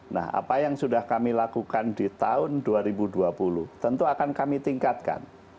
nah apa yang sudah kami lakukan di tahun dua ribu dua puluh tentu akan kami tingkatkan